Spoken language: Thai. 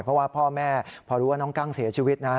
เพราะว่าพ่อแม่พอรู้ว่าน้องกั้งเสียชีวิตนะฮะ